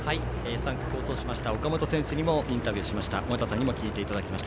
３区を好走しました岡本選手にもインタビューしました。